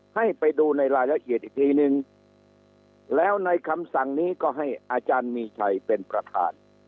ให้ไปดูในรายละเอียดอีกทีนึงแล้วในคำสั่งนี้ก็ให้อาจารย์มีชัยเป็นประธาน